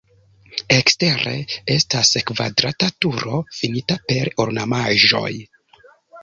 Ekstere estas kvadrata turo finita per ornamaĵoj.